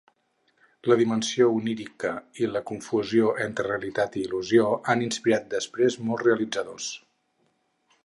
La dimensió onírica i la confusió entre realitat i il·lusió han inspirat després molts realitzadors.